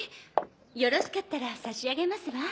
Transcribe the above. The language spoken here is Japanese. よろしかったら差し上げますわ。